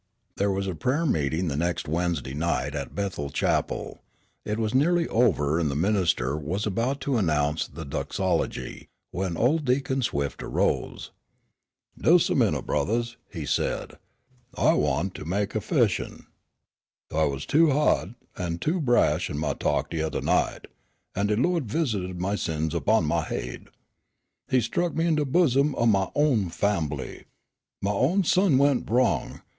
There was prayer meeting the next Wednesday night at Bethel Chapel. It was nearly over and the minister was about to announce the Doxology, when old Deacon Swift arose. "Des' a minute, brothahs," he said. "I want to mek a 'fession. I was too ha'd an' too brash in my talk de othah night, an' de Lawd visited my sins upon my haid. He struck me in de bosom o' my own fambly. My own son went wrong.